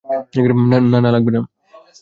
না, না, লাগবে না!